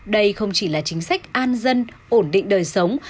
đây không chỉ là chính sách an dân ổn định đời sống